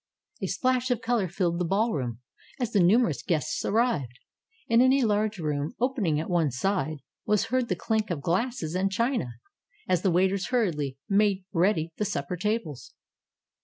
A splash of color filled the ballroom, as the numerous guests arrived. And in a large room, opening at one side, was heard the clink of glasses and china, as the waiters hurriedly made ready the supper tables.